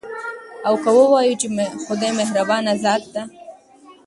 او که ووايو، چې خدايه مهربانه ذاته ده